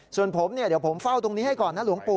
ส่วนผมเนี่ยเดี๋ยวผมเฝ้าตรงนี้ให้ก่อนนะหลวงปู่